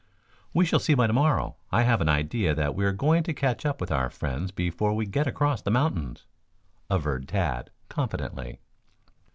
"We shall see by to morrow. I have an idea that we are going to catch up with our friends before we get across the mountains," averred Tad confidently.